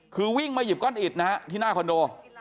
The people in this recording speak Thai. คือวิ่งมาหยิบก้อนอิดนะฮะที่หน้าคอนโด